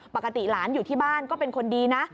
ปกติหลานอยู่ที่บ้านก็เป็นคนดีนะ